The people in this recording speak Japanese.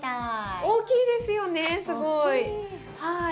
大きいですよねすごい。大きい。